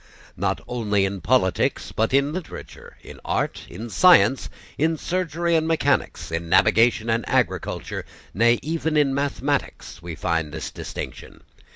Not only in politics but in literature, in art, in science, in surgery and mechanics, in navigation and agriculture, nay, even in mathematics, we find this distinction.